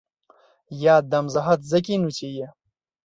Я аддам загад закінуць яе!